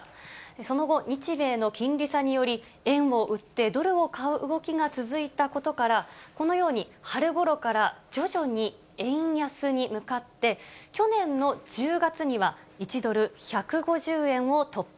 その後、日米の金利差により、円を売ってドルを買う動きが続いたことから、このように春ごろから、徐々に円安に向かって、去年の１０月には、１ドル１５０円を突破。